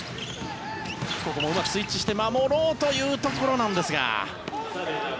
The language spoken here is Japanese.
ここもうまくスイッチして守ろうというところなんですが。